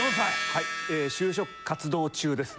はい就職活動中ですね。